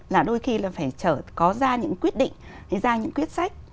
là đôi khi là phải có ra những quyết định ra những quyết sách